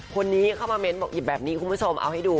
คนนี้เข้ามาเน้นบอกหยิบแบบนี้คุณผู้ชมเอาให้ดู